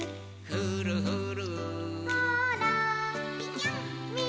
ふるふる。